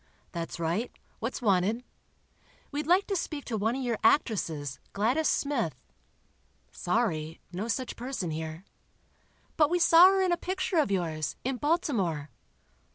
"That's right. What's wanted?" "We'd like to speak to one of your actresses, Gladys Smith." "Sorry—no such person here." "But we saw her in a picture of yours, in Baltimore."